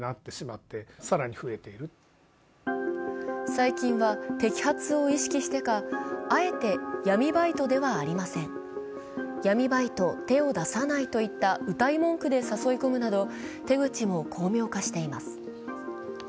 最近は摘発を意識してか、あえて「闇バイトではありません」、「闇バイト手を出さない」といったうたい文句で誘い込むなど手口も巧妙化しています。